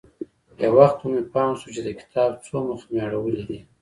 يو وخت به مې پام سو چې د کتاب څو مخه مې اړولي دي.